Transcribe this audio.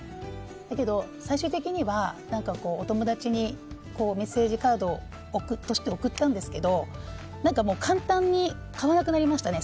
だけど最終的にはお友達にメッセージカードとして送ったんですけど簡単に買わなくなりましたね。